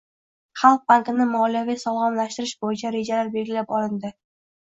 Xalq bankini moliyaviy sog‘lomlashtirish bo‘yicha rejalar belgilab olinding